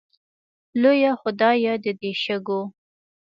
لویه خدایه د دې شګو